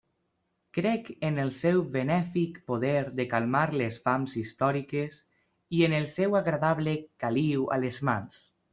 Crec en el seu benèfic poder de calmar les fams històriques i en el seu agradable caliu a les mans.